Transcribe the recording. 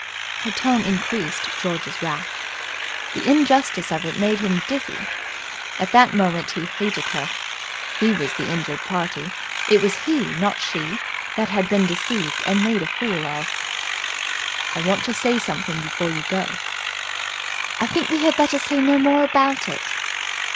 Her tone increased George's wrath. The injustice of it made him dizzy. At that moment he hated her. He was the injured party. It was he, not she, that had been deceived and made a fool of. "I want to say something before you go." "I think we had better say no more about it!"